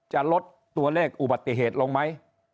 จะลดตัวเลขอุบัติเหตุลงไหม